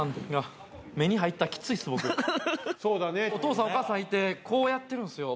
お父さんお母さんいてこうやってるんすよ。